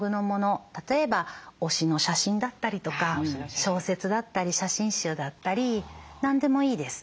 例えば推しの写真だったりとか小説だったり写真集だったり何でもいいです。